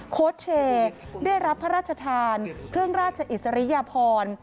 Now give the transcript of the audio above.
โค้ชเชย์ได้รับพระราชทานเครื่องราชอิสริยพร